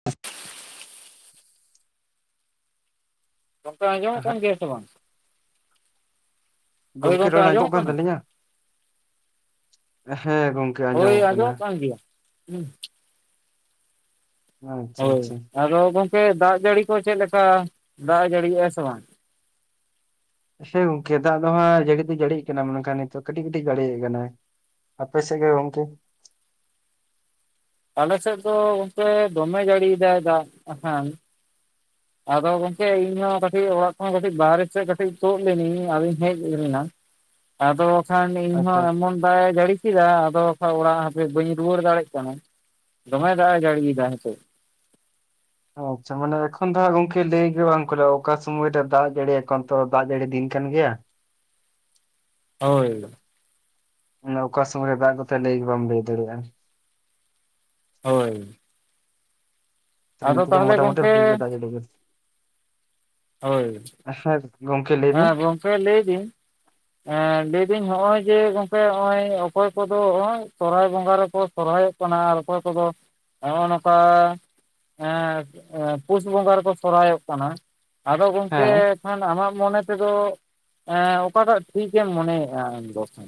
[inaudible] ᱜᱚᱢᱠᱮ ᱟᱡᱚᱢᱚᱜ ᱦᱮᱸ ᱠᱟᱱ ᱜᱮᱭᱟ ᱥᱮ ᱵᱟᱝ? ᱦᱳᱭ ᱜᱚᱢᱠᱮ ᱜᱚᱝᱠᱮ ᱨᱚᱲ ᱟᱸᱡᱚᱜ ᱟᱸᱡᱚᱢᱚᱜ ᱠᱟᱱ ᱠᱟᱱᱟ ᱛᱟᱹᱞᱤᱧᱟ ᱦᱮᱸ ᱜᱚᱢ ᱦᱳᱭ ᱟᱡᱚᱢᱚᱜ ᱠᱟᱱ ᱜᱮᱭᱟ ᱦᱩᱸ ᱟᱪᱪᱷᱟ ᱦᱳᱭ ᱟᱪᱪᱷᱟ ᱟᱫᱚ ᱜᱚᱝᱠᱮ ᱫᱟᱜ ᱡᱟᱹᱲᱤ ᱠᱚ ᱪᱮᱜ ᱞᱮᱠᱟ ᱫᱟᱜ ᱮ ᱡᱟᱹᱲᱤᱭᱮᱜᱼᱟ ᱥᱮ ᱵᱟᱝ? ᱦᱮᱸ ᱜᱚᱝᱠᱮ ᱫᱟᱜ ᱫᱚ ᱦᱟᱸ ᱡᱟᱹᱲᱤ ᱫᱚ ᱡᱟᱹᱲᱤᱜ ᱠᱟᱱᱟᱭ ᱢᱮᱱᱠᱷᱟᱱ ᱱᱤᱛᱚᱜ ᱠᱟᱹᱴᱤᱜ ᱠᱟᱹᱴᱤᱜ ᱡᱟᱹᱲᱤ ᱮᱜ ᱠᱟᱱᱟ ᱾ ᱟᱯᱮᱥᱮᱜ ᱜᱮ ᱜᱚᱝᱠᱮ? ᱟᱞᱮ ᱥᱮᱜ ᱫᱚ ᱚᱱᱛᱮ ᱫᱚᱢᱮ ᱡᱟᱹᱲᱤᱭᱮᱫᱟᱭ ᱫᱟᱜ ᱠᱷᱟᱱ ᱟᱫᱚ ᱜᱚᱝᱠᱮ ᱤᱧᱦᱚ ᱠᱟᱹᱴᱤᱜ ᱚᱲᱟᱜ ᱠᱷᱚᱱ ᱠᱟᱹᱴᱤᱜ ᱵᱟᱦᱟᱨᱮ ᱥᱮᱜ ᱠᱟᱹᱴᱤᱜ ᱛᱳᱜ ᱞᱮᱱᱟᱹᱧ ᱟᱫᱚᱧ ᱦᱮᱜ ᱞᱮᱱᱟ ᱟᱫᱚ ᱠᱷᱟᱱ ᱤᱧ ᱟᱪᱪᱷᱟ ᱦᱚᱸ ᱮᱢᱚᱱ ᱫᱟᱜ ᱮ ᱡᱟᱹᱲᱤ ᱠᱤᱫᱟ ᱟᱫᱚ ᱵᱟᱠᱷᱟ ᱚᱲᱟᱜ ᱦᱟᱯᱮ ᱵᱟᱹᱧ ᱨᱩᱣᱟᱹᱲ ᱫᱟᱲᱮᱜ ᱠᱟᱱᱟ ᱫᱚᱢᱮ ᱫᱟᱜ ᱮ ᱡᱟᱹᱲᱤ ᱫᱟ ᱦᱤᱛᱳᱜ ᱚ ᱟᱪᱷᱟ ᱢᱟᱱᱮ ᱮᱠᱷᱚᱱ ᱫᱚ ᱦᱟᱸᱜ ᱜᱚᱝᱠᱮ ᱞᱟᱹᱭ ᱜᱮ ᱵᱟᱝ ᱠᱩᱞᱚᱹᱜ ᱚᱠᱟ ᱥᱩᱚᱢᱚᱭ ᱨᱮ ᱫᱟᱜ ᱡᱟᱹᱲᱤ ᱮᱠᱷᱚᱱᱛᱚ ᱫᱟᱜ ᱡᱟᱹᱲᱤ ᱫᱤᱱ ᱠᱟᱱ ᱜᱮᱭᱟ ᱦᱳᱭ ᱾ ᱚᱱᱮ ᱚᱠᱟ ᱥᱚᱢᱚᱭ ᱨᱮ ᱫᱟᱜ ᱠᱚᱛᱮ ᱞᱟᱹᱭ ᱜᱮ ᱵᱟᱢ ᱞᱟᱹᱭ ᱫᱟᱲᱮᱭᱟᱜᱼᱟ ᱾ ᱦᱳᱭ ᱾ ᱩᱱᱠᱩ ᱫᱚ ᱛᱟᱦᱚᱞᱮ ᱢᱚᱴᱟᱢᱩᱴᱤ ᱜᱚᱝᱠᱮ ᱵᱷᱟᱜᱮ ᱜᱮ ᱫᱟᱜᱮ ᱡᱟᱰᱤ ᱜᱮ ᱦᱳᱭ ᱾ [unintelligible] ᱢᱮ ᱦᱟᱸ ᱵᱚᱝᱠᱮ ᱞᱟᱹᱭ ᱞᱟᱹᱵᱤᱱ ᱮ ᱞᱮᱭᱫᱟᱹᱧ ᱦᱚᱜᱼᱚᱭ ᱡᱮ ᱜᱚᱝᱠᱮ ᱚᱭ ᱚᱠᱚᱭ ᱠᱚᱫᱚ ᱚᱜᱚᱭ ᱥᱚᱨᱦᱟᱭ ᱵᱚᱸᱜᱟ ᱨᱮᱠᱚ ᱥᱚᱨᱦᱟᱭᱚᱜ ᱯᱱᱟ ᱟᱨ ᱚᱠᱚᱭ ᱠᱚᱫᱚ ᱦᱚᱜᱼᱚᱭ ᱱᱚᱝᱠᱟ ᱾ ᱮ ᱯᱩᱥ ᱵᱚᱸᱜᱟ ᱨᱮᱠᱚ ᱥᱚᱨᱦᱟᱭᱚᱜ ᱠᱟᱱᱟ ᱟᱫᱚ ᱜᱚᱝᱠᱮ ᱦᱮᱸ ᱠᱷᱟᱱ ᱟᱢᱟᱜ ᱢᱚᱱᱮ ᱛᱮᱫᱚ ᱮ ᱚᱠᱟᱴᱟᱜ ᱴᱷᱤᱠᱮᱢ ᱢᱚᱱᱮᱭᱮᱜᱼᱟ ᱟᱢᱫᱚ ᱠᱷᱟᱱ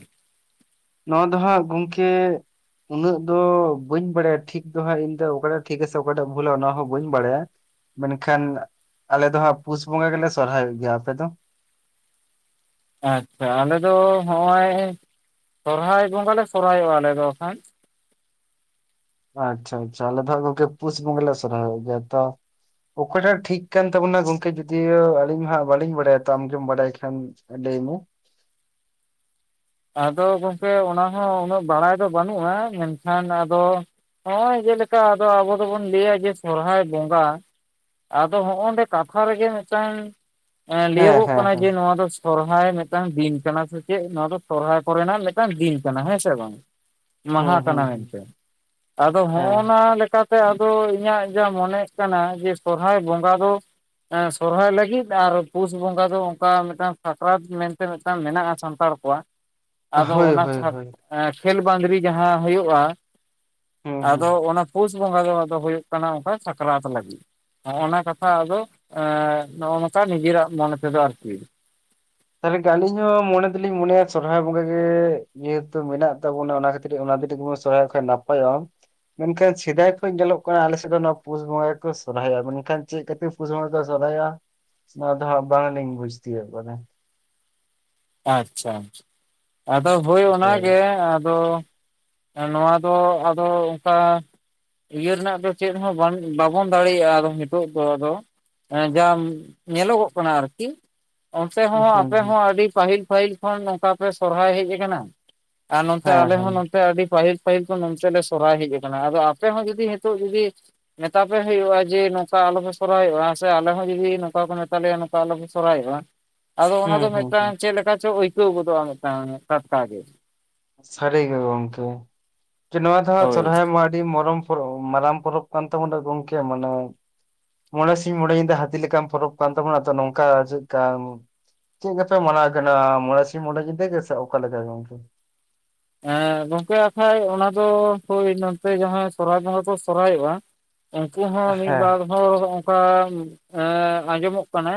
ᱱᱚᱣᱟ ᱫᱚ ᱦᱟᱸᱜ ᱜᱚᱝᱠᱮ ᱩᱱᱟᱹᱜ ᱫᱚ ᱵᱟᱹᱧ ᱵᱟᱲᱟᱭᱟ ᱴᱷᱤᱠ ᱫᱚ ᱦᱟᱸᱜ ᱤᱧ ᱫᱚ ᱚᱠᱟᱴᱟᱜ ᱴᱷᱤᱠ ᱟᱥᱮ ᱚᱠᱟᱴᱟᱜ ᱵᱷᱩᱞᱟ ᱚᱱᱟ ᱦᱚᱸ ᱵᱟᱹᱧ ᱵᱟᱲᱟᱭᱟ ᱾ ᱢᱮᱱ ᱠᱷᱟᱱ ᱟᱞᱮ ᱫᱚ ᱦᱟᱸᱜ ᱯᱩᱥ ᱵᱚᱸᱜᱟ ᱜᱮᱞᱮ ᱥᱚᱨᱦᱟᱭᱚᱜ ᱜᱮᱭᱟ ᱟᱯᱮ ᱫᱚ ᱟᱪᱪᱷᱟ ᱟᱞᱮ ᱫᱚ ᱦᱚᱜᱼᱚᱭ ᱥᱚᱨᱦᱟᱭ ᱵᱚᱸᱜᱟ ᱞᱮ ᱥᱚᱨᱦᱟᱭᱚᱜᱼᱟ ᱟᱞᱮᱫ ᱫᱚ ᱠᱷᱟᱱ᱾ ᱟᱪᱷᱟ ᱟᱪᱷᱟ ᱟᱞᱮ ᱫᱚ ᱦᱟᱸᱜ ᱜᱚᱝᱠᱮ ᱯᱩᱥ ᱵᱚᱸᱜᱟ ᱞᱮ ᱥᱚᱨᱦᱟᱭᱚᱜ ᱜᱮᱭᱟ ᱛᱚ ᱚᱠᱚᱭ ᱴᱟᱜ ᱴᱷᱤᱠ ᱠᱟᱱ ᱛᱟᱵᱩᱱᱟ ᱜᱚᱝᱠᱮ ᱠᱩᱫᱤᱭᱳ ᱟᱞᱤᱧ ᱢᱟ ᱦᱟᱸᱜ ᱵᱟᱞᱤᱧ ᱵᱟᱰᱟᱭ ᱠᱷᱟᱱ ᱛᱳ ᱟᱢ ᱜᱤᱢ ᱵᱟᱰᱟᱭ ᱠᱷᱟᱱ ᱰᱟᱹᱭ ᱢᱮ ᱟᱫᱚ ᱜᱚᱝᱠᱮ ᱚᱱᱟ ᱦᱚᱸ ᱩᱱᱟᱹᱜ ᱵᱟᱲᱟᱭ ᱫᱚ ᱵᱟᱹᱱᱩᱜᱼᱟ ᱾ ᱮᱱᱠᱷᱟᱱ ᱟᱫᱚ ᱦᱚᱜᱚᱭ ᱡᱮᱞᱮᱠᱟ ᱟᱫᱚ ᱟᱵᱚ ᱫᱚᱵᱚᱱ ᱞᱟᱹᱭᱟ ᱡᱮ ᱥᱚᱨᱚᱦᱟᱭ ᱵᱚᱸᱜᱟ ᱟᱫᱚ ᱦᱚᱜᱚᱱᱰᱮ ᱠᱟᱛᱷᱟ ᱨᱮᱜᱮ ᱢᱤᱫᱴᱟᱝ ᱦᱮᱸ ᱞᱟᱹᱭᱟᱹᱜᱚᱜ ᱦᱮᱸ ᱠᱟᱱᱟ ᱦᱮᱸ ᱡᱮ ᱱᱚᱣᱟ ᱫᱚ ᱥᱚᱨᱦᱟᱭ ᱢᱤᱫᱴᱟᱝ ᱫᱤᱱ ᱠᱟᱱᱟ ᱥᱮ ᱪᱮᱫ ᱱᱚᱣᱟ ᱫᱚ ᱥᱚᱨᱦᱟᱭ ᱠᱚᱨᱮᱱᱟᱜ ᱢᱤᱫᱴᱟᱝ ᱫᱤᱱ ᱠᱟᱱᱟ ᱦᱮᱸ ᱥᱮ ᱵᱟᱝ? ᱦᱮᱸ ᱢᱟᱦᱟ ᱟᱠᱟᱱᱟ ᱢᱮᱱ ᱦᱮᱸ ᱛᱮ ᱟᱫᱚ ᱦᱚᱸ ᱱᱟ ᱦᱮᱸ ᱞᱮᱠᱟ ᱾ ᱤᱧᱟᱜ ᱡᱟ ᱢᱚᱱᱮᱜ ᱠᱟᱱᱟ ᱡᱮ ᱥᱚᱨᱦᱟᱭ ᱵᱚᱸᱜᱟ ᱫᱚ ᱥᱚᱨᱦᱟᱭ ᱞᱟᱹᱜᱤᱫ ᱟᱨ ᱯᱩᱥ ᱵᱚᱸᱜᱟ ᱫᱚ ᱚᱱᱠᱟ ᱢᱤᱫᱴᱟᱝ ᱥᱟᱠᱨᱟᱛ ᱢᱮᱱᱛᱮ ᱢᱮᱱᱟᱜᱼᱟ ᱥᱟᱱᱛᱟᱲ ᱠᱚᱣᱟᱜ ᱟᱫᱚ ᱦᱳᱭ ᱚᱱᱟ ᱦᱳᱭ ᱪᱷᱟ ᱦᱳᱭ ᱠᱷᱮᱞ ᱵᱟᱸᱫᱽᱨᱤ ᱡᱟᱦᱟᱸ ᱦᱩᱭᱩᱜᱼᱟ᱾ ᱦᱩᱸ ᱦᱩᱸ ᱟᱫᱚ ᱚᱱᱟ ᱯᱩᱥ ᱵᱚᱸᱜᱟ ᱟᱫᱚ ᱦᱩᱭᱩᱜ ᱠᱟᱱᱟ ᱚᱝᱠᱟ ᱥᱟᱠᱨᱟᱛ ᱞᱟᱹᱜᱤᱫ᱾ ᱱᱚᱜᱚᱱᱟ ᱠᱟᱛᱷᱟ ᱟᱫᱚ ᱱᱚᱜᱚ ᱱᱚᱠᱟ ᱱᱤᱡᱮ ᱨᱟᱜ ᱢᱚᱱᱮ ᱛᱮᱫᱚ ᱟᱨ ᱠᱤ ᱟᱹᱞᱤᱧ ᱦᱚᱸ ᱢᱚᱱᱮ ᱫᱚᱞᱤᱧ ᱢᱚᱱᱮᱭᱟ ᱥᱚᱨᱦᱟᱭ ᱵᱚᱸᱜᱟ ᱜᱮ ᱡᱮᱦᱮᱛᱩ ᱢᱮᱱᱟᱜ ᱛᱟᱵᱚᱱᱟ ᱚᱱᱟ ᱠᱷᱟᱹᱛ ᱚᱱᱟ ᱫᱤᱱ ᱨᱮᱜᱮ ᱵᱚ ᱥᱚᱨᱦᱟᱭᱚᱜ ᱠᱷᱟᱡ ᱱᱟᱯᱟᱭᱚᱜᱼᱟ ᱾ ᱢᱮᱱᱠᱷᱟᱱ ᱥᱮᱫᱟᱭ ᱠᱷᱚᱡ ᱧᱮᱞᱚᱜ ᱠᱟᱱᱟ ᱟᱞᱮ ᱥᱮᱫ ᱫᱚ ᱱᱚᱣᱟ ᱯᱩᱥ ᱵᱚᱸᱜᱟ ᱜᱮᱠᱚ ᱥᱚᱨᱦᱟᱭᱚᱜ ᱢᱮᱱ ᱠᱷᱟᱱ ᱪᱮᱫ ᱠᱷᱟᱹᱛᱤᱨ ᱯᱩᱥᱤ ᱵᱚᱸᱜᱟ ᱨᱮᱠᱚ ᱥᱚᱨᱦᱟᱭᱚᱜ-ᱟ ᱱᱚᱣᱟ ᱫᱚ ᱦᱟᱸᱜ ᱵᱟᱝ ᱞᱤᱧ ᱵᱩᱡᱽ ᱛᱤᱭᱳᱜ ᱠᱟᱫᱟ᱾ ᱟᱪᱪᱷᱟ ᱟᱪᱪᱷᱟ ᱟᱫᱚ ᱦᱳᱭ ᱚᱱᱟ ᱜᱮ ᱟᱫᱚ ᱱᱚᱣᱟ ᱫᱚ ᱟᱫᱚ ᱩᱠᱟ ᱤᱭᱟᱹ ᱨᱮᱱᱟᱜ ᱫᱚ ᱪᱮᱫ ᱦᱚᱸ ᱵᱟᱱ ᱵᱟᱵᱚᱱ ᱫᱟᱲᱮᱭᱟᱜᱼᱟ ᱟᱫᱚ ᱱᱤᱛᱚᱜ ᱫᱚ ᱟᱫᱚ ᱡᱟᱢ ᱧᱮᱞᱚᱜᱚᱜ ᱠᱟᱱᱟ ᱟᱨᱠᱤ ᱚᱱᱛᱮ ᱦᱚᱸ ᱦᱩᱸ ᱦᱩᱸ ᱟᱯᱮ ᱦᱚᱸ ᱟᱹᱰᱤ ᱯᱟᱹᱦᱤᱞ ᱯᱟᱹᱦᱤᱞ ᱠᱷᱚᱱ ᱱᱚᱝᱠᱟ ᱯᱮ ᱥᱚᱨᱦᱟᱭ ᱦᱮᱡ ᱟᱠᱟᱱᱟ᱾ ᱟᱨ ᱱᱚᱱᱛᱮ ᱦᱮᱸ ᱟᱞᱮ ᱦᱮᱸ ᱦᱚᱸ ᱱᱚ ᱯᱮ ᱟᱹᱰᱤ ᱯᱟᱹᱦᱤᱞ ᱯᱟᱹᱦᱤᱞ ᱠᱚᱱ ᱱᱚᱛᱮ ᱞᱮ ᱥᱚᱨᱦᱟᱭ ᱦᱮᱡ ᱟᱠᱟᱱᱟ ᱟᱫᱚ ᱟᱯᱮ ᱦᱚᱸ ᱡᱩᱫᱤ ᱱᱤᱛᱚᱜ ᱡᱩᱫᱤ ᱢᱮᱛᱟ ᱯᱮ ᱦᱩᱭᱩᱜᱼᱟ ᱡᱮ, ᱱᱚᱠᱟ ᱟᱞᱚᱯᱮ ᱥᱚᱨᱦᱟᱭᱚᱜᱼᱟ ᱥᱮ ᱟᱞᱮ ᱦᱚᱸ ᱡᱩᱫᱤ ᱱᱚᱠᱟ ᱠᱚ ᱢᱮᱛᱟ ᱞᱮᱭᱟ ᱠᱟ ᱞᱚ ᱯᱮ ᱥᱚᱨᱦᱟᱭᱚᱜᱼᱟ᱾ ᱟᱫᱚ ᱚᱱᱟ ᱦᱩᱸ ᱜᱮ ᱦᱩᱸ ᱢᱤᱫᱴᱟᱝ ᱦᱩᱸ ᱪᱮᱫ ᱞᱮᱠᱟ ᱪᱚ ᱟᱹᱭᱠᱟᱹᱣ ᱜᱚᱫᱚᱜᱼᱟ, ᱢᱤᱫᱴᱟᱝ ᱴᱟᱴᱠᱟ ᱜᱮ᱾ ᱥᱟᱹᱨᱤ ᱜᱮ ᱜᱚᱝᱠᱮ ᱡᱮ ᱱᱚᱣᱟ ᱫᱚ ᱦᱟᱸᱜ ᱦᱳᱭ ᱥᱚᱨᱦᱟᱭ ᱢᱟ ᱟᱹᱰᱤ ᱢᱚᱨᱚᱢ ᱯᱚᱨᱚᱵᱽ ᱢᱟᱨᱟᱢ ᱯᱚᱨᱚᱵᱽ ᱠᱟᱱ ᱛᱟᱵᱚᱱᱟ ᱜᱚᱝᱠᱮ ᱢᱟᱱᱮ ᱢᱚᱬᱮ ᱥᱤᱧ ᱢᱚᱬᱮ ᱧᱤᱫᱟᱹ ᱦᱟᱹᱛᱤ ᱞᱮᱠᱟ ᱯᱚᱨᱚᱵᱽ ᱠᱟᱱ ᱛᱟᱵᱚᱱᱟ ᱟᱫᱚ ᱱᱚᱝᱠᱟ ᱪᱮᱜᱠᱟ ᱪᱮᱜ ᱠᱟᱯᱮ ᱢᱟᱱᱟᱣᱮᱫ ᱛᱮᱦᱮᱱᱟ ᱢᱚᱬᱮ ᱥᱤᱧ ᱢᱚᱬᱮ ᱧᱤᱫᱟᱹ ᱜᱮ ᱥᱮ ᱚᱠᱟ ᱞᱮᱠᱟ ᱜᱚᱝᱠᱮ? ᱮᱸ ᱜᱚᱝᱠᱮ ᱟᱠᱷᱟᱡ ᱚᱱᱟ ᱫᱚ ᱦᱳᱭ ᱱᱚᱱᱛᱮ ᱡᱟᱦᱟᱸ ᱥᱚᱨᱦᱟᱭ ᱵᱚᱸᱝᱜᱟ ᱠᱚ ᱥᱚᱨᱦᱟᱭᱚᱜᱼᱟ᱾ ᱩᱱᱠᱩ ᱦᱚᱸ ᱦᱮᱸ ᱢᱤᱫᱵᱟᱨ ᱦᱚᱲ ᱚᱱᱠᱟ ᱮᱜ ᱟᱸᱡᱚᱢᱚᱜ ᱠᱟᱱᱟ᱾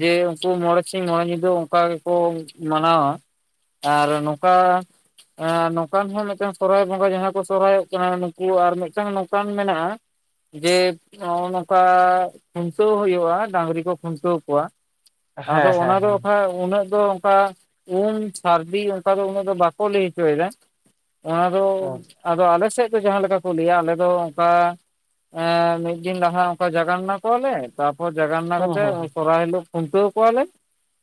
ᱡᱮ ᱩᱝᱠᱩ ᱢᱚᱬᱮ ᱥᱤᱧ ᱢᱚᱬᱮ ᱧᱤᱫᱟᱹ ᱚᱱᱠᱟ ᱜᱮᱠᱚ ᱢᱟᱱᱟᱣᱟ᱾ ᱟᱨ ᱱᱚᱠᱟ ᱟ ᱱᱚᱝᱠᱟᱱ ᱦᱚᱸ ᱢᱤᱫᱴᱟᱝ ᱥᱚᱨᱦᱟᱭ ᱵᱚᱸᱜᱟ ᱡᱟᱦᱟᱸ ᱠᱚ ᱥᱚᱨᱦᱟᱭᱚᱜ ᱠᱟᱱᱟ ᱱᱩᱠᱩ ᱟᱨ ᱢᱤᱫᱴᱟᱝ ᱱᱚᱝᱠᱟᱱ ᱢᱮᱱᱟᱜᱼᱟ᱾ ᱡᱮ ᱱᱚᱜᱼᱚᱭ ᱱᱚᱝᱠᱟ ᱠᱷᱩᱱᱴᱟᱹᱣ ᱦᱩᱭᱩᱜᱼᱟ ᱰᱟᱹᱝᱨᱤ ᱠᱚ ᱠᱷᱩᱱᱴᱟᱹᱣ ᱠᱚᱣᱟ᱾ ᱟᱫᱚ ᱦᱮᱸ ᱦᱮᱸ ᱚᱱᱟ ᱫᱚ ᱦᱮᱸ ᱚᱠᱷᱟ ᱩᱱᱟᱹᱜ ᱫᱚ ᱚᱱᱠᱟ ᱩᱢ ᱥᱟᱹᱨᱫᱤ ᱚᱝᱠᱟ ᱫᱚ ᱩᱱᱟᱹᱜ ᱫᱚ ᱵᱟ ᱞᱟᱹᱭ ᱦᱚᱪᱚᱭ ᱫᱟ ᱚᱱᱟ ᱫᱚ ᱦᱩᱸ ᱟᱫᱚ ᱟᱞᱮ ᱥᱮᱜ ᱫᱚ ᱡᱟᱦᱟᱸ ᱞᱮᱠᱟ ᱠᱚ ᱞᱟᱹᱭᱟ ᱟᱞᱮ ᱫᱚ ᱚᱝᱠᱟ ᱢᱤᱫ ᱫᱤᱱ ᱱᱟᱦᱟᱜ ᱚᱝᱠᱟ ᱡᱟᱜᱟᱱᱱᱟ ᱠᱚ ᱠᱚᱣᱟ ᱞᱮ ᱛᱟᱯᱚᱨ ᱡᱟᱜᱟᱱᱱᱟ ᱠᱟᱛᱮ ᱦᱩᱸ ᱥᱚᱨᱦᱟᱭ ᱦᱤᱞᱳᱜ ᱠᱷᱩᱱᱴᱟᱹᱣ ᱠᱚᱣᱟᱞᱮ,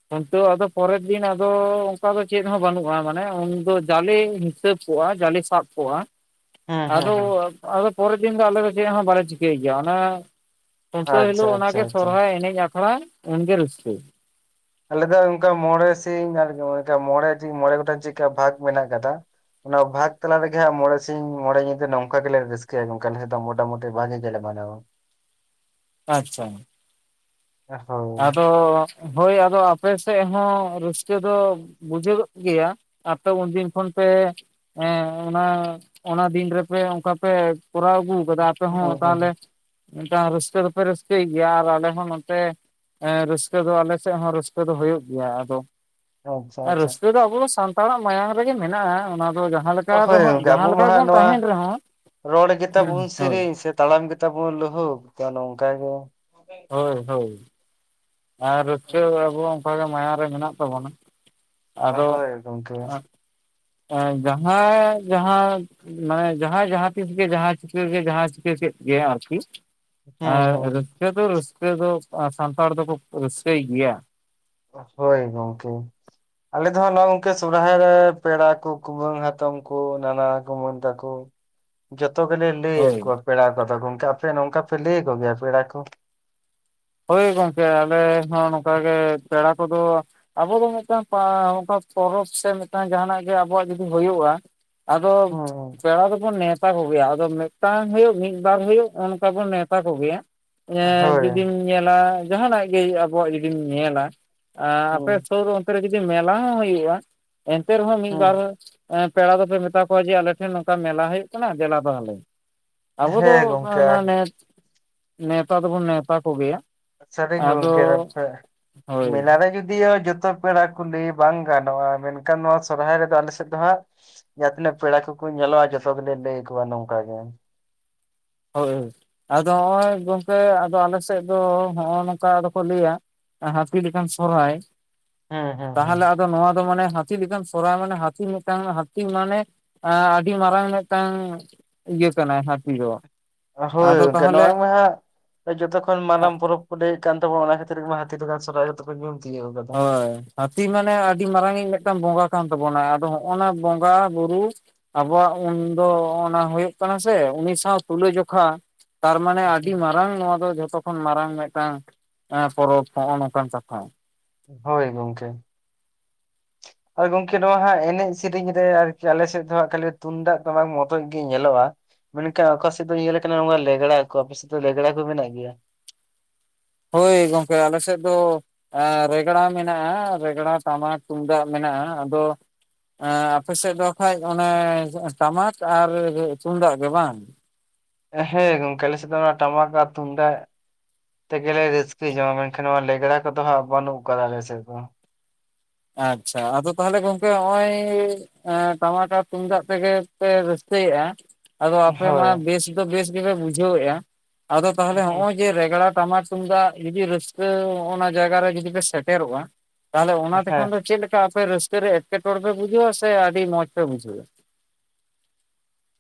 ᱠᱷᱩᱱᱴᱟᱹᱣ ᱟᱫᱚ ᱯᱚᱨᱮᱨ ᱫᱤᱱ ᱟᱫᱚ ᱚᱱᱠᱟ ᱫᱚ ᱪᱮᱫ ᱦᱚᱸ ᱵᱟᱹᱱᱩᱜᱼᱟ ᱢᱟᱱᱮ ᱩᱱ ᱫᱚ ᱡᱟᱞᱮ ᱦᱤᱥᱟᱹᱵ ᱠᱚᱜᱼᱟ ᱡᱟᱞᱤ ᱥᱟᱵ ᱠᱚᱜᱼᱟ ᱦᱩᱸ ᱦᱩᱸ ᱟᱫᱚ ᱦᱩᱸ ᱟᱫᱚ ᱯᱚᱨᱮᱨ ᱫᱤᱱ ᱫᱚ ᱟᱞᱮ ᱫᱚ ᱪᱮᱫ ᱦᱚᱸ ᱵᱟᱞᱮ ᱪᱤᱠᱟᱹᱭ ᱜᱮᱭᱟ ᱚᱱᱮ ᱠᱷᱩᱱᱴᱟᱹᱣ ᱟᱪᱪᱷᱟ ᱦᱤᱞᱳᱜ ᱟᱪᱪᱷᱟ ᱚᱱᱟᱜᱮ ᱟᱪᱪᱷᱟ ᱥᱚᱨᱦᱟᱭ ᱮᱱᱮᱡ ᱟᱠᱷᱲᱟ ᱩᱱᱜᱮ ᱨᱟᱹᱥᱠᱟᱹ᱾ ᱟᱞᱮᱫ ᱫᱚ ᱚᱱᱠᱟ ᱢᱚᱬᱮ ᱥᱤᱧ ᱟᱨ ᱢᱬᱮ ᱥᱤᱧ ᱢᱚᱬᱮ ᱜᱚᱴᱟᱝ ᱪᱮᱫᱠᱟ ᱵᱷᱟᱜ ᱢᱮᱱᱟᱜ ᱠᱟᱫᱟ᱾ ᱚᱱᱟ ᱵᱷᱟᱜᱽ ᱛᱟᱠᱟ ᱨᱮᱜᱮᱟ ᱦᱟᱟᱸᱜ ᱢᱚᱬᱮ ᱥᱤᱧ ᱢᱚᱬᱮ ᱧᱤᱫᱟᱹ ᱱᱚᱝᱠᱟ ᱜᱮᱞᱮ ᱨᱟᱹᱥᱠᱟᱹᱭᱟ ᱚᱱᱠᱟᱱ ᱱᱳ ᱫᱚ ᱢᱚᱴᱟᱢᱩᱴᱤ ᱵᱟᱡᱮ ᱡᱮᱞᱮ ᱢᱟᱱᱟᱣᱟ ᱾ ᱟᱪᱪᱷᱟ ᱦᱳᱭ ᱟᱫᱚ ᱦᱳᱭ ᱟᱫᱚ ᱟᱯᱮ ᱥᱮᱫ ᱦᱚᱸ ᱨᱟᱹᱥᱠᱟᱹ ᱫᱚ ᱵᱩᱡᱷᱟᱹᱜᱣᱚᱜ ᱜᱤᱭᱟ ᱟᱯᱮ ᱩᱱᱫᱤᱱ ᱠᱷᱚᱱ ᱯᱮ ᱦᱮᱸ ᱚᱱᱟ ᱚᱱᱟ ᱫᱤᱱ ᱨᱮᱯᱮ ᱚᱱᱠᱟ ᱯᱮ ᱠᱚᱨᱟᱣ ᱟᱹᱜᱩ ᱟᱯᱮ ᱦᱩᱸ ᱦᱚᱸ ᱦᱩᱸ ᱛᱟᱦᱚᱞᱮ ᱦᱩᱸ ᱨᱟᱹᱥᱠᱟᱹ ᱫᱚᱯᱮ ᱨᱟᱹᱥᱠᱟᱹᱭ ᱜᱮᱭᱟ ᱟᱨ ᱟᱞᱮ ᱦᱚᱸ ᱱᱚᱛᱮ ᱦᱮᱸ ᱨᱟᱹᱥᱠᱟᱹ ᱫᱚ ᱟᱞᱮ ᱥᱮᱫ ᱦᱚᱸ ᱨᱟᱹᱥᱠᱟᱹ ᱫᱚ ᱦᱩᱭᱩᱜ ᱜᱮᱭᱟ ᱾ ᱟᱫᱚ ᱟᱪᱪᱷᱟ ᱟᱪᱪᱷᱟ ᱨᱟᱹᱥᱠᱟᱹ ᱫᱚ ᱟᱵᱚ ᱫᱚ ᱥᱟᱱ ᱛᱟᱲᱟᱜ ᱢᱟᱭᱟᱢ ᱨᱮᱜᱮ ᱢᱮᱱᱟᱜᱼᱟ ᱚᱱᱟ ᱫᱚ ᱡᱟ ᱦᱳᱭ ᱜᱚᱝᱠᱮ ᱟᱵᱚ ᱢᱟ ᱦᱟᱸᱜ ᱱᱚᱣᱟ, ᱨᱚᱲ ᱜᱮ ᱛᱟᱵᱩᱱ ᱦᱳᱭ ᱥᱮᱨᱮᱧ ᱥᱮ ᱛᱟᱲᱟᱢ ᱜᱮ ᱛᱟᱵᱩᱱ ᱞᱳᱦᱳᱠ ᱛᱚ ᱱᱚᱝᱠᱟ ᱜᱮ᱾ ᱦᱳᱭ ᱦᱳᱭ ᱟᱨ ᱨᱩᱠᱟᱹᱣ ᱟᱵᱚ ᱚᱱᱠᱟᱜᱮ ᱢᱟᱭᱟᱝ ᱨᱮ ᱢᱮᱱᱟᱜ ᱛᱟᱵᱚᱱᱟ᱾ ᱚ ᱦᱳᱭ ᱜᱚᱝᱠᱮ ᱾ ᱮ ᱡᱟᱦᱟᱸᱭ ᱡᱟᱦᱟᱸ ᱢᱟᱱᱮ ᱡᱟᱦᱟᱸᱭ ᱡᱟᱦᱟᱸᱛᱤᱥ ᱜᱮ ᱡᱟᱦᱟᱸ ᱪᱤᱠᱟᱹ ᱜᱮ ᱡᱟᱦᱟᱸ ᱪᱤᱠᱟᱹ ᱠᱮᱫ ᱜᱮ ᱟᱨᱠᱤ᱾ ᱦᱮᱸ ᱟᱨ ᱦᱮᱸ ᱦᱮᱸ ᱨᱟᱹᱥᱠᱟᱹ ᱫᱚ ᱨᱟᱹᱥᱠᱟᱹ ᱫᱚ ᱥᱟᱱᱛᱟᱲ ᱫᱚᱠᱚ ᱨᱟᱹᱥᱠᱟᱹᱭ ᱜᱮᱭᱟ᱾ ᱦᱳᱭ ᱜᱚᱝᱠᱮ᱾ ᱟᱞᱮ ᱫᱚ ᱦᱟᱸᱜ ᱱᱚᱜᱼᱚᱭ ᱥᱚᱦᱟᱭ ᱨᱮ ᱯᱮᱲᱟ ᱠᱚ ᱠᱩᱢᱟᱹᱝ ᱦᱟᱛᱚᱢ ᱠᱚ ᱱᱟᱱᱟ ᱠᱩᱢᱟᱹᱱ ᱛᱟᱠᱩ ᱡᱚᱛᱚ ᱜᱮᱞᱮ ᱞᱟᱹᱭ ᱦᱳᱭ ᱟᱠᱚᱣᱟ ᱯᱮᱲᱟ ᱠᱚᱫᱚ ᱜᱚᱝᱠᱮ ᱟᱯᱮ ᱱᱚᱝᱠᱟ ᱯᱮ ᱞᱟᱹᱭᱭᱟ ᱠᱚᱜᱮᱭᱟ ᱯᱮᱲᱟ ᱠᱚ? ᱦᱳᱭ ᱜᱚᱝᱠᱮ ᱟᱞᱮ ᱦᱚᱸ ᱱᱚᱝᱠᱟ ᱜᱮ ᱯᱮᱲᱟ ᱠᱚᱫᱚ ᱟᱵᱚ ᱫᱚ ᱢᱤᱫᱴᱟᱝ ᱯᱟ ᱦᱚᱜᱠᱟ ᱯᱚᱨᱚᱵᱽ ᱥᱮ ᱢᱤᱫᱴᱟᱝ ᱡᱟᱦᱱᱟᱜ ᱜᱮ ᱟᱵᱚᱣᱟᱜ ᱡᱩᱫᱤ ᱦᱳᱭᱳᱜᱼᱟ᱾ ᱟᱫᱚ ᱦᱩᱸ ᱯᱮᱲᱟ ᱫᱚᱵᱚᱱ ᱱᱮᱶᱛ ᱛᱟ ᱠᱚᱜᱮᱭᱟ ᱟᱫᱚ ᱢᱤᱫᱴᱟᱝ ᱦᱳᱭᱳᱜ ᱢᱤᱫ ᱵᱟᱨ ᱦᱳᱭᱳᱜ ᱚᱱᱠᱟ ᱵᱚᱱ ᱱᱮᱶᱛᱟ ᱠᱚᱜᱮᱭᱟ ᱦᱳᱭ ᱡᱩᱫ ᱧᱮᱞᱟ ᱡᱟᱦᱟᱱᱟᱜ ᱜᱮ ᱟᱵᱚᱣᱟᱜ ᱡᱩᱫᱤᱢ ᱧᱮᱞᱟ ᱟᱯᱮ ᱦᱩᱸ ᱥᱩᱨ ᱚᱱᱛᱮ ᱨᱮ ᱡᱩᱫᱤ ᱡᱩᱫᱤ ᱢᱮᱞᱟ ᱦᱚᱸ ᱦᱩᱭᱩᱜᱼᱟ ᱮᱱᱛᱮ ᱨᱮᱦᱚᱸ ᱢᱤᱫ ᱦᱩᱸ ᱵᱟᱨ ᱯᱮᱲᱟ ᱫᱚᱯᱮ ᱢᱮᱛᱟ ᱠᱚᱣᱟ ᱡᱮ ᱟᱞᱮᱴᱷᱮᱱ ᱱᱚᱝᱠᱟ ᱢᱮᱞᱟ ᱦᱩᱭᱩᱜ ᱠᱟᱱᱟ ᱫᱮᱞᱟ ᱛᱟᱦᱟᱞᱮ ᱟᱵᱚ ᱫᱚ ᱦᱮᱸ ᱜᱚᱝᱠᱮ ᱚᱱᱟ ᱟᱨ ᱱ ᱱᱮᱛᱟ ᱫᱚᱵᱚᱱ ᱱᱮᱶᱛᱟ ᱠᱚᱜᱮᱭᱟ ᱥᱟᱹᱨᱤ ᱜᱮ ᱜᱚᱝᱠᱮ ᱟᱫᱚ ᱛᱯᱮ ᱦᱳᱭ ᱢᱮᱞᱟᱨᱮ ᱡᱩᱫᱤ ᱡᱚᱛᱚ ᱯᱮᱲᱟ ᱠᱩᱞᱤ ᱵᱟᱝ ᱜᱟᱱᱚᱜᱼᱟ ᱢᱮᱱᱠᱷᱟᱱ ᱱᱚᱣᱟ ᱥᱚᱨᱦᱟᱭ ᱨᱮᱫᱚ ᱟᱞᱮ ᱥᱮᱫ ᱫᱚ ᱦᱟᱸᱜ ᱡᱟ ᱛᱤᱱᱟᱹᱜ ᱯᱮᱲᱟ ᱠᱚᱠᱚ ᱧᱮᱞᱚᱜᱼᱟ ᱡᱚᱛᱚᱜ ᱜᱮᱞᱮ ᱞᱟᱹᱭ ᱟᱠ ᱠᱚᱣᱟ ᱱᱚᱝᱠᱟ ᱜᱮ ᱦᱳᱭ ᱟᱫᱚ ᱱᱚᱜᱼᱚᱭ ᱜᱚᱝᱠᱮ ᱟᱫᱚ ᱟᱞᱮ ᱥᱮᱫ ᱫᱚ ᱱᱚᱜᱼᱚ ᱱᱚᱝᱠᱟ ᱫᱚᱠᱚ ᱞᱟᱹᱭᱟ ᱦᱟᱹᱛᱤ ᱞᱮᱠᱟᱱ ᱥᱚᱨᱦᱟᱭ ᱦᱩᱸ ᱦᱩᱸ ᱦᱩᱸ ᱛᱟᱦᱚᱞᱮ ᱟᱫᱚ ᱱᱚᱣᱟ ᱫᱚ ᱢᱟᱱᱮ ᱦᱟᱹᱛᱤ ᱞᱮᱠᱟᱱ ᱥᱚᱨᱦᱟᱭ ᱢᱟᱱᱮ ᱦᱟᱸᱛᱤ ᱢᱤᱫᱴᱟᱝ ᱦᱟᱸᱛᱤ ᱢᱟᱱᱮ ᱟᱹᱰᱤ ᱢᱟᱨᱟᱝ ᱢᱤᱫᱴᱟᱝ ᱤᱭᱟᱹ ᱠᱟᱱᱟᱭ ᱦᱟᱸᱛᱤ ᱫᱚ ᱟᱫᱚ ᱦᱳᱭ ᱢᱠᱮ ᱱᱚᱣᱟ ᱛᱟᱦᱚᱞᱮ ᱨᱮᱢᱟ ᱦᱟᱸ ᱡᱚᱛᱚ ᱠᱷᱚᱱ ᱢᱟᱨᱟᱝ ᱯᱚᱨᱚᱵᱽ ᱠᱚ ᱞᱟᱹᱭᱮᱫ ᱠᱟᱱ ᱛᱟᱵᱱᱟ ᱚᱱᱟ ᱠᱷᱟᱹᱛᱤᱨ ᱜᱮ ᱦᱟᱺᱛᱤ ᱞᱮᱠᱟᱱ ᱥᱚᱨᱦᱟᱭᱚᱜ ᱛᱮ ᱜᱮᱭᱟ ᱦᱳᱭ ᱦᱟᱱᱛᱤ ᱢᱟᱱᱮ ᱟᱹᱰᱤ ᱢᱟᱨᱟᱝᱤᱡ ᱢᱤᱫᱴᱟᱝ ᱵᱚᱸᱜᱟ ᱠᱟᱱ ᱛᱟᱵᱚᱱᱟ ᱟᱫᱚ ᱦᱚᱜᱼ ᱱᱟ ᱵᱚᱸᱜᱟ ᱵᱩᱨᱩ ᱟᱵᱚᱣᱟᱜ ᱩᱱ ᱫᱚ ᱚᱱᱟ ᱦᱩᱭᱩᱜ ᱠᱟᱱᱟ ᱥᱮ ᱩᱱᱤ ᱥᱟᱶ ᱛᱩᱞᱟᱹᱡᱚᱠᱷᱟ ᱛᱟᱨᱢᱟᱱᱮ ᱟᱹᱰᱤ ᱢᱟᱨᱟᱝ ᱱᱚᱣᱟ ᱫᱚ ᱡᱷᱚᱛᱚ ᱠᱷᱚᱱ ᱢᱟᱨᱟᱝ ᱢᱤᱫᱴᱟᱝ ᱯᱚᱨᱚᱵᱽ ᱱᱚᱜᱼᱚᱭ ᱱᱚᱝᱠᱟᱱ ᱠᱟᱛᱷᱟ ᱦᱳᱭ ᱜᱚᱢᱠᱮ [inaudible] ᱦᱚᱭ ᱜᱚᱝᱠᱮ ᱱᱚᱣᱟ ᱦᱟᱸᱜ ᱮᱱᱮᱡ ᱥᱮᱨᱮᱧ ᱨᱮ ᱟᱨᱠᱤ ᱟᱞᱮᱥᱮᱫ ᱫᱚᱦᱟᱸᱜ ᱠᱷᱟᱹᱞᱤ ᱛᱩᱢᱫᱟᱜ ᱴᱟᱢᱟᱠ ᱢᱚᱛᱚᱡ ᱜᱮ ᱧᱮᱞᱚᱜᱼᱟ ᱢᱮᱱᱠᱷᱟ ᱚᱠᱟ ᱥᱮᱫ ᱫᱚ ᱤᱭᱟᱹᱮ ᱞᱮᱠᱟᱱᱟ ᱞᱮᱜᱽᱲᱟ ᱠᱚ ᱟᱯᱮ ᱥᱮᱫ ᱫᱚ ᱞᱮᱜᱽᱲᱟ ᱠᱚ ᱢᱮᱱᱟᱜ ᱜᱮᱭᱟ? ᱦᱳᱭ ᱜᱚᱝᱠᱮ ᱟᱞᱮ ᱥᱮᱫ ᱫᱚ ᱨᱮᱜᱽᱲᱟ ᱢᱮᱱᱟᱜᱼᱟ ᱨᱮᱜᱽᱲᱟ ᱴᱟᱢᱟᱠ ᱛᱩᱢᱫᱟᱜ ᱢᱮᱱᱟᱜᱼᱟ ᱟᱫᱚ ᱮᱸ ᱟᱯᱮ ᱥᱮᱫ ᱫᱚ ᱦᱟᱠᱷᱟᱡ ᱚᱱᱮ ᱴᱟᱢᱟᱠ ᱟᱨ ᱛᱩᱢᱫᱟᱜ ᱜᱮ ᱵᱟᱝ? ᱦᱮᱸ ᱜᱚᱝᱠᱮ ᱟᱞᱮᱥᱮᱫ ᱫᱚ ᱚᱱᱟ ᱴᱟᱢᱟᱠᱟᱠ ᱟᱨ ᱛᱩᱢᱫᱟᱜ ᱛᱮᱜᱮᱞᱮ ᱨᱟᱹᱥᱠᱟᱹ ᱡᱚᱝᱟ ᱾ ᱢᱮᱱᱠᱷᱟᱱ ᱱᱚᱣᱟ ᱞᱮᱜᱽᱲᱟ ᱠᱚᱫᱚ ᱦᱟᱸᱜ ᱵᱟᱹᱱᱩᱜ ᱠᱟᱫᱟ ᱟᱞᱞᱮ ᱥᱮᱜᱫᱚ ᱾ ᱟᱪᱪᱷᱟ ᱟᱫᱚ ᱛᱟᱦᱚᱞᱮ ᱜᱚᱝᱠᱮ ᱦᱚᱜᱼᱚᱭ ᱮ ᱴᱟᱢᱟᱠ ᱟᱨ ᱛᱩᱢᱫᱟᱜ ᱛᱮᱜᱮ ᱯᱮ ᱨᱟᱹᱥᱠᱟᱹᱭᱮᱼᱟ ᱾? ᱟᱫᱚ ᱟᱯᱮ ᱦᱳᱭ ᱢᱟ ᱵᱮᱥ ᱫᱚ ᱵᱮᱥ ᱜᱮᱯᱮ ᱵᱩᱡᱷᱟᱹᱣᱮᱜᱼᱟ ᱾ ᱟᱫᱚ ᱛᱟᱦᱚᱞᱮ ᱦᱮᱸ ᱦᱚᱜᱼᱚᱭ ᱡᱮ ᱨᱮᱜᱽᱲᱟ ᱴᱟᱢᱟᱠ ᱛᱩᱢᱫᱟᱜ ᱡᱩᱫᱤ ᱨᱟᱹᱥᱠᱟᱹ ᱚᱱᱟ ᱡᱟᱭᱜᱟ ᱨᱮ ᱡᱩᱫᱤ ᱯᱮ ᱥᱮᱴᱮᱨᱚᱜᱼᱟ ᱾ ᱛᱟᱦᱚᱞᱮ ᱚᱱᱟᱛᱮ ᱪᱮᱫ ᱞᱮᱠᱟ ᱟᱯᱮ ᱨᱟᱹᱥᱠᱟᱹ ᱨᱮ, ᱮᱴᱠᱮᱴᱚᱬᱮ ᱯᱮ ᱵᱩᱡᱷᱟᱹᱣᱟ ᱥᱮ ᱟᱹᱰᱤ ᱢᱚᱸᱡᱽ ᱯᱮ ᱵᱩᱡᱷᱟᱹᱣᱟ?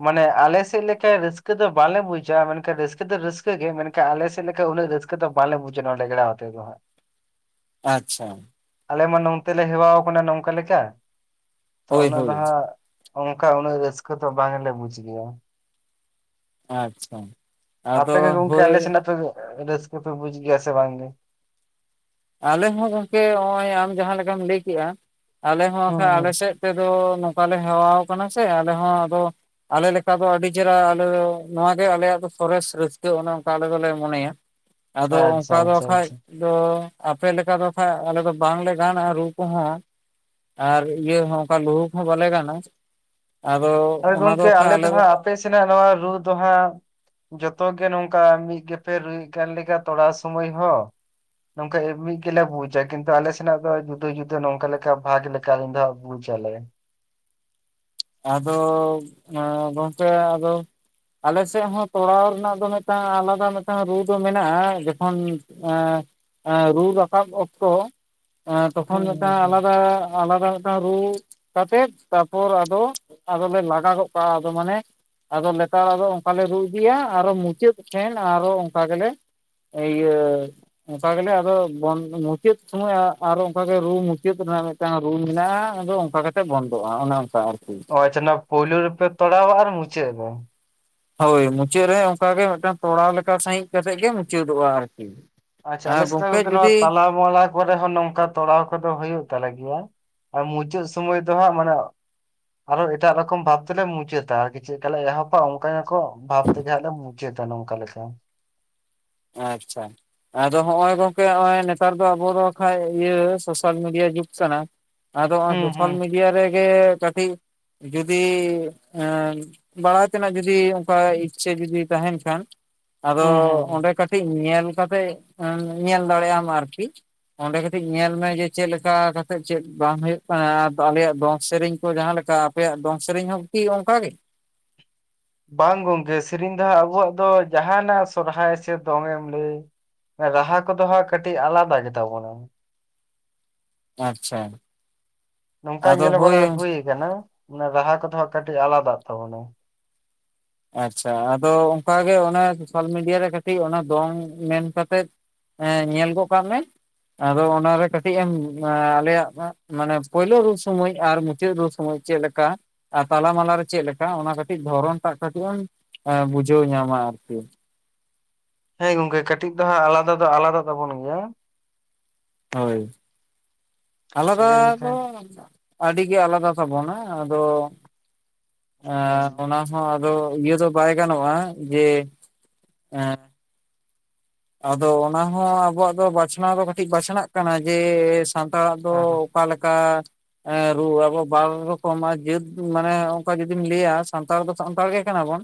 ᱢᱟᱱᱮ ᱟᱞᱮ ᱥᱮᱫ ᱞᱮᱠᱟ ᱨᱟᱹᱥᱠᱟᱹ ᱫᱚ ᱵᱟᱞᱮ ᱵᱩᱡᱟ ᱾ ᱢᱮᱱᱠᱷᱟᱱ ᱨᱟᱹᱥᱠᱟᱹ ᱫᱚ ᱨᱟᱹᱥᱠᱟᱹ ᱜᱮ ᱢᱮᱱᱠᱷᱟᱱ ᱼᱼ ᱟᱞᱮᱥᱮᱠ ᱞᱮᱠᱟ ᱩᱱᱟᱹᱜ ᱨᱟᱹᱥᱠᱟᱹ ᱫᱚ ᱵᱟᱞᱮ ᱵᱩᱡᱟ ᱾ ᱱᱚᱣᱟ ᱨᱮᱜᱲᱟ ᱟᱛᱮᱫ ᱫᱚ ᱦᱟᱸᱜ ᱾ ᱟᱪᱪᱷᱟ ᱟᱞᱮ ᱢᱟ ᱱᱚᱱᱛᱮ ᱞᱮ ᱦᱮᱣᱟ ᱠᱟᱱᱟ ᱱᱚᱝᱠᱟ ᱞᱮᱠᱟ ᱾ ᱛᱚ ᱦᱳᱭ ᱚᱱᱟ ᱫᱚ ᱦᱳᱭ ᱦᱟᱸᱜ ᱚᱱᱠᱟ ᱩᱱᱟᱹᱜ ᱨᱟᱹᱥᱠᱟᱹ ᱫᱚ ᱵᱟᱝᱞᱮ ᱵᱩᱡᱽ ᱜᱮᱭᱟ ᱾ ᱟᱪᱪᱷᱟ ᱟᱯᱮ ᱟᱫᱚ ᱜᱮ ᱜᱚᱝᱠᱮ ᱦᱳᱭ ᱟᱞᱮᱥᱮᱱᱟᱜ ᱯᱮ ᱨᱟᱥᱠ ᱛᱯᱮ ᱵᱩᱡ ᱜᱮᱭᱟ ᱥᱮ ᱵᱟᱝᱜᱤ ᱾? ᱟᱞᱮ ᱦᱚᱸ ᱜᱚᱝᱠᱮ ᱱᱚᱜ ᱚᱭ ᱟᱢ ᱡᱟᱦᱟᱸ ᱞᱮᱠᱟᱢ ᱞᱟᱹᱭ ᱠᱮᱜᱼᱟ, ᱟᱞᱮ ᱦᱚᱸ ᱦᱩᱸ ᱵᱟᱠᱷᱟᱡ ᱟᱞᱮ ᱦᱩᱸ ᱥᱮᱫ ᱛᱮᱫᱚ, ᱱᱚᱝᱠᱟ ᱞᱮ ᱦᱮᱣᱟ ᱠᱟᱱᱟ ᱥᱮ ᱟᱞᱮ ᱦᱚᱸ ᱟᱫᱚ ᱟᱞᱮ ᱞᱮᱠᱟ ᱫᱚ ᱟᱹᱰᱤ ᱪᱮᱦᱨᱟ ᱾ ᱟᱞᱮ ᱱᱚᱣᱟᱜᱮ ᱟᱞᱮᱭᱟᱜ ᱫᱚ ᱥᱚᱨᱮᱥ ᱨᱟᱹᱥᱠᱟᱹ ᱚᱱᱮ ᱚᱱᱠᱟ ᱟᱞᱮ ᱫᱚᱞᱮ ᱢᱚᱱᱮᱭᱟ ᱾ ᱟᱫᱚ ᱟᱪᱪᱷᱟ ᱚᱱᱠᱟ ᱫᱚ ᱟᱪᱪᱷᱟ ᱠᱷᱟᱡ ᱟᱪᱪᱷᱟ ᱫᱚᱼᱼ ᱟᱯᱮ ᱞᱮᱠᱟ ᱫᱚ ᱠᱷᱟᱱᱡ ᱟᱞᱮ ᱫᱚ ᱵᱟᱝᱞᱮ ᱜᱟᱱᱼᱟ ᱨᱩ ᱠᱚᱦᱚ ᱾ ᱟᱨ ᱤᱭᱟᱹ ᱦᱚᱸ ᱚᱱᱠᱟ ᱞᱩᱦᱩ ᱠᱚᱦᱚ ᱵᱟᱞᱮ ᱜᱟᱱᱟ ᱟᱫᱚ ᱚᱱᱟ ᱫᱚ ᱠᱷᱟᱱ ᱟᱞᱮ ᱫᱚ ᱼᱼ ᱟᱯᱮ ᱥᱮᱱᱟᱜ ᱱᱚᱣᱟ ᱨᱩ ᱫᱚ ᱦᱟᱸᱜᱼᱼ ᱡᱚᱛᱚ ᱜᱮ ᱱᱚᱝᱠᱟ, ᱢᱤᱫ ᱜᱮᱯᱮ ᱨᱩᱭ ᱠᱟᱱ ᱞᱮᱠᱟ ᱛᱚᱲᱟ ᱥᱩᱢᱚᱭ ᱦᱚᱸ ᱱᱚᱝᱠᱟ ᱮᱢᱱᱤ ᱜᱮᱞᱮ ᱵᱩᱡᱟ ᱾ ᱠᱤᱱᱛᱩ ᱟᱞᱮ ᱥᱮᱱᱟᱜ ᱫᱚ ᱡᱩᱫᱟᱹ ᱡᱩᱫᱟᱹ ᱱᱚᱝᱠᱟ ᱞᱮᱠᱟ ᱵᱷᱟᱜᱽ ᱞᱮᱠᱟ ᱫᱚᱼᱼ ᱵᱩᱪ ᱟᱞᱮᱼᱼ ᱟᱫᱚ ᱜᱚᱝᱠᱮ ᱟᱫᱚᱼᱼ ᱟᱞᱮᱥᱮᱫ ᱦᱚᱸ ᱛᱚᱲᱟᱣ ᱨᱮᱱᱟᱜ ᱫᱚ ᱢᱤᱫᱴᱟᱝ ᱟᱞᱟᱫᱟ, ᱢᱤᱫᱴᱟᱝ ᱨᱩ ᱫᱚ ᱢᱮᱱᱟᱜᱼᱟ ᱾ ᱡᱚᱠᱷᱚᱱᱼᱼ ᱮ ᱨᱩ ᱨᱟᱠᱟᱵ ᱚᱠᱛᱚᱼᱼ ᱮᱸ ᱛᱚᱠᱷᱚᱱ ᱦᱩᱸ ᱦᱩᱸ ᱢᱤᱫᱴᱟᱝ ᱦᱩᱸ ᱟᱞᱟᱫᱟ, ᱟᱞᱟᱫᱟ ᱢᱤᱫᱴᱟᱝ ᱨᱩ ᱠᱟᱛᱮᱜ ᱛᱟᱯᱚᱨ ᱟᱫᱚ ᱟᱫᱚᱞᱮ ᱞᱟᱜᱟ ᱜᱚᱫ ᱠᱟᱜ ᱠᱟᱜᱼᱟ ᱢᱟᱱᱮᱼᱼ ᱟᱫᱚ ᱞᱮᱛᱟᱲ ᱟᱫᱚ ᱚᱱᱠᱟ ᱞᱮ ᱨᱩ ᱤᱫᱤᱭᱟ, ᱟᱨᱚ ᱢᱩᱪᱟᱹᱫ ᱴᱷᱮᱱ ᱟᱨᱚ ᱚᱱᱠᱟ ᱜᱮᱞᱮ ᱤᱭᱟᱹᱼᱼ ᱚᱱᱠᱟ ᱜᱮᱞᱮ ᱟᱫᱚ ᱢᱩᱪᱟᱹᱫ ᱥᱚᱢᱚᱭ ᱟᱨᱚ ᱚᱱᱠᱟᱜᱮ ᱨᱩ ᱢᱩᱪᱟᱹᱫ ᱨᱮᱱᱟᱜ, ᱢᱤᱫᱴᱟᱝ ᱨᱩ ᱢᱮᱱᱟᱜᱼᱟ ᱾ ᱟᱫᱚ ᱚᱱᱠᱟ ᱠᱟᱛᱮ ᱵᱚᱱᱫᱚᱜᱼᱟ, ᱚᱱᱮ ᱚᱱᱠᱟ ᱟᱨᱠᱤ ᱾ ᱯᱟᱪᱷᱮ ᱯᱳᱞᱳ ᱨᱮᱯᱮ ᱛᱟᱲᱟᱣᱟ, ᱟᱨ ᱢᱩᱪᱟᱹᱫ ᱨᱮ ᱦᱳᱭ ᱢᱩᱪᱟᱹᱫ ᱨᱮ ᱚᱱᱠᱟᱜ ᱜᱮ, ᱢᱤᱫᱴᱟᱝ ᱛᱚᱲᱟ ᱞᱮᱠᱟ ᱥᱟᱹᱦᱤᱡ ᱠᱟᱛᱮᱫ ᱜᱮ ᱢᱩᱪᱟᱹᱫᱚᱜᱼᱟ ᱟᱨᱠᱤ ᱾ ᱟᱪᱪᱷᱟ ᱟᱞᱮᱥᱮᱫ ᱜᱚᱝᱠᱮ ᱱᱚᱣᱟ ᱛᱟᱞᱟ ᱢᱟᱞᱟ ᱠᱚᱨᱮ ᱦᱚ, ᱱᱚᱝᱠᱟ ᱛᱚᱲᱟᱣ ᱠᱚᱫᱚ ᱦᱩᱭᱩᱜ ᱛᱟᱞᱮ ᱜᱮᱭᱟ ᱾ ᱟᱨ ᱢᱩᱪᱟᱹᱫ ᱥᱚᱢᱚᱭ ᱫᱚ ᱦᱟᱸᱜ ᱢᱟᱱᱮᱼᱼ ᱟᱨᱚ ᱮᱴᱟᱜ ᱨᱚᱠᱚᱢ ᱵᱷᱟᱵ ᱛᱮᱞᱮ ᱢᱩᱪᱟᱹᱫᱟ ᱾ ᱟᱨᱠᱤ ᱪᱮᱫ ᱞᱮᱠᱟ ᱞᱮ ᱮᱦᱚᱵᱟ ᱚᱱᱠᱟ ᱭᱟᱠᱚ ᱵᱷᱟᱵ ᱛᱮᱜᱮ ᱦᱟᱜᱞᱮ ᱢᱩᱪᱟ. ᱫᱟ ᱾ ᱡᱮ ᱫᱚ ᱱᱚᱝᱠᱟ ᱞᱮᱠᱟ ᱾ ᱟᱪᱪᱷᱟᱼᱼ ᱟᱫᱚ ᱦᱚᱜᱼᱭ ᱜᱚᱝᱠᱮ ᱱᱚᱜᱚᱭ ᱱᱮᱛᱟᱨ ᱫᱚ ᱟᱵᱚ ᱫᱚ ᱠᱷᱟᱱᱡ ᱤᱭᱟᱹ ᱥᱳᱥᱟᱞ ᱢᱤᱰᱤᱭᱟ ᱡᱩᱜᱽ ᱠᱟᱱᱟ ᱾ ᱟᱫᱚᱜ ᱦᱩᱸ ᱥᱳᱥᱟᱞ ᱦᱩᱸ ᱢᱤᱰᱤᱭᱟ ᱨᱮᱜᱮ ᱠᱟᱹᱴᱤᱡ ᱡᱩᱫᱤ, ᱵᱟᱲᱟᱭ ᱛᱮᱱᱟᱜ ᱡᱩᱫᱤ ᱚᱱᱠᱟ ᱤᱪᱪᱷᱟᱹ ᱡᱩᱫᱤ ᱛᱟᱦᱮᱱ ᱠᱷᱟᱱ ᱟᱫᱚ ᱦᱩᱸ ᱦᱩᱸ ᱚᱸᱰᱮᱼᱼ ᱠᱟᱹᱴᱤᱡ ᱧᱮᱞ ᱠᱟᱛᱮᱜ ᱧᱮᱞ ᱫᱟᱲᱮ ᱭᱟᱜ ᱟᱢ ᱟᱨᱠᱤ ᱾ ᱚᱸᱰᱮ ᱠᱟᱹᱴᱤᱡ ᱧᱮᱞ ᱢᱮ, ᱡᱮ ᱪᱮᱫ ᱞᱮᱠᱟ ᱠᱟᱛᱮᱫ ᱪᱮᱫ ᱵᱟᱝ ᱦᱩᱭᱩᱜ ᱠᱟᱱᱟ ᱾ ᱟᱞᱮᱭᱟᱜ ᱫᱚᱝ ᱥᱮᱨᱮᱧ ᱠᱚ ᱡᱟᱸᱦᱟ ᱞᱮᱠᱟ ᱾ ᱟᱯᱮᱭᱟᱜ ᱫᱚᱝ ᱥᱮᱨᱮᱧ ᱦᱚᱸᱠᱤ ᱚᱱᱠᱟ ᱜᱮᱼᱼ ᱵᱟᱝ ᱜᱚᱢᱠᱮ ᱥᱮᱨᱮᱧ ᱫᱚ ᱦᱟᱸᱜ ᱟᱵᱚᱣᱟᱜ ᱫᱚ, ᱡᱟᱦᱟᱱᱟᱜ ᱥᱚᱨᱚᱦᱟᱭ ᱥᱮ ᱫᱚᱝᱮ ᱮᱢ ᱞᱟᱹᱭ ᱾ ᱨᱟᱦᱟ ᱠᱚᱫᱚ ᱦᱟᱸᱜ ᱠᱟᱹᱴᱤᱡ ᱟᱞᱟᱫᱟ ᱜᱮᱛᱟᱵᱚᱱᱟ ᱾ ᱟᱪᱪᱷᱟ ᱾ ᱱᱚᱝᱠᱟ ᱧᱮᱞ ᱵᱟᱲᱟ ᱦᱩ ᱟᱠᱟᱱᱟ ᱚᱱᱟ ᱨᱟᱦᱟ ᱠᱚᱫᱚ ᱦᱟᱸᱜ ᱠᱟᱹᱴᱤᱡ ᱟᱞᱟᱫᱟᱜ ᱛᱟᱵᱚᱱᱟ ᱾ ᱟᱪᱪᱷᱟ ᱾ ᱟᱫᱚ ᱚᱱᱠᱟ ᱜᱮ ᱚᱱᱟ ᱥᱳᱥᱟᱞ ᱢᱤᱰᱤᱭᱟ ᱨᱮ ᱠᱟᱹᱴᱤᱡ ᱚᱱᱟ ᱫᱚᱝ ᱢᱮᱱ ᱠᱟᱛᱮ ᱾ ᱦᱮᱸ ᱧᱮᱞ ᱜᱚᱜ ᱠᱟᱜ ᱢᱮ ᱾ ᱟᱫᱚ ᱚᱱᱟ ᱨᱮ ᱠᱟᱹᱴᱤᱡ ᱮᱢ ᱟᱞᱮᱭᱟᱜ ᱢᱟᱱᱮ ᱯᱳᱭᱞᱳ ᱨᱩ ᱥᱚᱢᱚᱭ ᱟᱨ ᱢᱩᱪᱟᱹᱫ ᱨᱩ ᱥᱚᱢᱚᱭ ᱪᱮᱫ ᱞᱮᱠᱟ ᱛᱟᱞᱟ ᱢᱟᱞᱟ ᱨᱮ ᱪᱮᱫ ᱞᱮᱠᱟ ᱚᱱᱟ ᱠᱟᱹᱴᱤᱡ ᱫᱷᱚᱨᱚᱱ ᱦᱟᱴᱟᱜ ᱠᱟᱹᱴᱤᱡ ᱮᱢ ᱵᱩᱡᱷᱟᱹᱣ ᱧᱟᱢᱟ ᱟᱨᱠᱤ ᱦᱮᱸ ᱜᱚᱢᱠᱮ ᱠᱟᱹᱴᱤᱡ ᱫᱚ ᱦᱟᱸᱜ ᱟᱞᱟᱫᱟ ᱫᱚ ᱟᱞᱟᱫᱟ ᱛᱟᱵᱚᱱ ᱜᱮᱭᱟ ᱾ ᱦᱳᱭ ᱾ ᱟᱞᱟᱫᱟ ᱫᱚ ᱢᱮᱱᱠᱷᱟᱱ ᱟᱹᱰᱤ ᱜᱮ ᱟᱞᱟᱫᱟ ᱛᱟᱵᱚᱱᱟ ᱟᱫᱚ ᱦᱳᱭ ᱚᱱᱟ ᱦᱚᱸ ᱟᱫᱚ ᱤᱭᱟᱹ ᱫᱚ ᱵᱟᱭ ᱜᱟᱱᱚᱜᱼᱟ ᱡᱮ ᱟᱫᱚ ᱚᱱᱟ ᱦᱚᱸ ᱟᱵᱚᱣᱟᱜ ᱫᱚ ᱵᱟᱪᱷᱱᱟᱣ ᱫᱚ ᱠᱟᱹᱴᱤᱡ ᱵᱟᱪᱷᱱᱟᱜ ᱠᱟᱱᱟ ᱾ ᱡᱮᱼᱼ ᱥᱟᱱᱛᱟᱲᱟᱜ ᱫᱚ ᱦᱮᱸ ᱚᱠᱟ ᱞᱮᱠᱟᱼᱼ ᱨᱩ ᱟᱵᱚ ᱵᱟᱨ ᱨᱚᱠᱚᱢᱟᱜ, ᱡᱟᱹᱛ ᱢᱟᱱᱮ ᱚᱱᱠᱟ ᱡᱩᱫᱤᱢ ᱞᱟᱹᱭᱟ ᱥᱟᱱᱛᱟᱲ ᱫᱚ ᱥᱟᱱᱛᱟᱲ ᱜᱮ ᱠᱟᱱᱟ ᱵᱚᱱ ᱾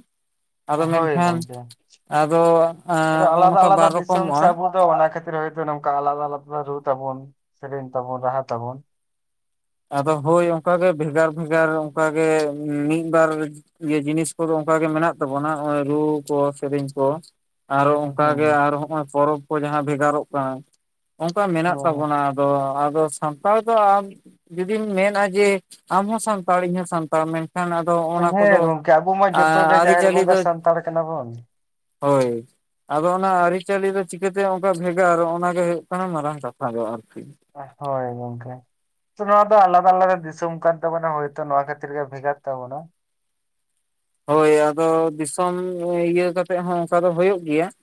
ᱟᱫᱚ ᱦᱳᱭ ᱢᱮᱱᱠᱷᱟᱱ ᱜᱚᱝᱠᱮ ᱟᱫᱚ ᱱᱚᱝᱠᱟ ᱵᱟᱨ ᱨᱚᱠᱚᱢᱚᱜᱼᱟ ᱾ ᱛᱚ ᱨᱟᱦᱟ ᱠᱷᱟᱹᱛᱤᱨ ᱛᱮ ᱱᱚᱱᱠᱟ ᱟᱞᱟᱫᱟ ᱟᱞᱟᱫᱟ ᱨᱩ ᱛᱟᱵᱚᱱ ᱥᱮᱨᱮᱧ ᱛᱟᱵᱚᱱ ᱨᱟᱦᱟ ᱛᱟᱵᱚᱱ ᱾ ᱟᱫᱚ ᱦᱳᱭ ᱚᱱᱠᱟ ᱜᱮ ᱵᱷᱮᱜᱟᱨ ᱵᱷᱮᱜᱟᱨ ᱚᱱᱠᱟ ᱜᱮ ᱢᱤᱫ ᱵᱟᱨ ᱤᱭᱟᱹ ᱡᱤᱱᱤᱥ ᱠᱚᱫᱚ ᱚᱱᱠᱟ ᱜᱮ ᱢᱮᱱᱟᱜ ᱛᱟᱵᱚᱱᱟ ᱱᱚᱜᱼᱚᱭ ᱨᱩ ᱠᱚ ᱥᱮᱨᱮᱧ ᱠᱚ ᱾ ᱟᱨᱚ ᱚᱱᱠᱟ ᱜᱮ ᱦᱩᱸ ᱟᱨ ᱦᱚᱸᱜᱼᱚᱭ ᱯᱚᱨᱚᱵᱽ ᱠᱚ ᱡᱟᱦᱟᱸ ᱵᱷᱮᱜᱟᱨᱚᱜ ᱠᱟᱱᱟ ᱾ ᱚᱱᱠᱟ ᱢᱮᱱᱟᱜ ᱛᱟᱵᱚᱱᱟ ᱟᱫᱚ ᱟᱫᱚ ᱥᱟᱱᱛᱟᱲ ᱫᱚ ᱟ ᱡᱩᱫᱤᱢ ᱢᱮᱱᱟ ᱡᱮ ᱟᱢ ᱦᱚᱸ ᱥᱟᱱᱛᱟᱲᱤ ᱤᱧ ᱦᱚᱸ ᱥᱟᱱᱛᱟᱲ ᱢᱮ ᱠᱷᱟᱱ ᱟᱫᱚ ᱦᱮᱸ ᱚᱱᱟ ᱦᱮᱸ ᱠᱚᱫᱚ ᱜᱚᱝᱠᱮ ᱟᱵᱚ ᱢᱟ ᱡᱚᱛᱚ ᱜᱮ ᱡᱟᱦᱮᱨ ᱟᱹᱨᱤᱪᱟᱹᱞᱤ ᱵᱚᱸᱜᱟ ᱫᱚ ᱥᱟᱱᱛᱟᱲ ᱠᱟᱱᱟ ᱵᱚᱱ ᱦᱳᱭ ᱾ ᱟᱫᱚ ᱚᱱᱟ ᱟᱹᱨᱤᱪᱟᱹᱞᱤ ᱫᱚ ᱪᱤᱠᱟᱹ ᱛᱮ ᱚᱱᱠᱟ ᱵᱷᱮᱜᱟᱨ ᱚᱱᱟ ᱜᱮ ᱦᱩᱭᱩᱜ ᱠᱟᱱᱟ ᱢᱟᱨᱟᱝ ᱠᱟᱛᱷᱟ ᱫᱚ ᱟᱨᱠᱤ ᱾ ᱦᱳᱭ ᱜᱚᱢᱠᱮ ᱾ ᱱᱚᱣᱟ ᱫᱚ ᱟᱞᱟᱫᱟ ᱟᱞᱟᱫᱟ ᱫᱤᱥᱚᱢ ᱠᱟᱱ ᱛᱟᱵᱚᱱᱟ ᱦᱳᱭᱛᱚ ᱱᱚᱣᱟ ᱠᱷᱟᱹᱛᱤᱨ ᱜᱮ ᱵᱷᱮᱜᱟᱨ ᱛᱟᱵᱚᱱᱟ ᱾ ᱦᱳᱭ ᱟᱫᱚ ᱫᱤᱥᱚᱢ ᱤᱭᱟᱹ ᱠᱟᱛᱮ ᱦᱚᱸ ᱚᱱᱠᱟ ᱫᱚ ᱦᱩᱭᱩᱜ ᱜᱮᱭᱟ ᱾